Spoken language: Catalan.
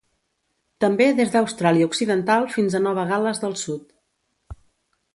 També des d'Austràlia Occidental fins a Nova Gal·les del Sud.